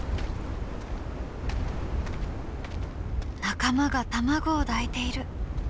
仲間が卵を抱いている。